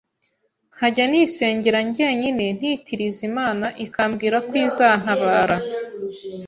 nkajya nisengera njyenyine ntitiriza Imana ikambwira ko izantabara